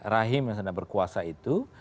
rahim yang sedang berkuasa itu